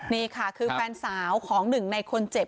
นี่ค่ะคือแฟนสาวของหนึ่งในคนเจ็บ